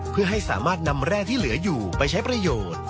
เพื่อให้สามารถนำแร่ที่เหลืออยู่ไปใช้ประโยชน์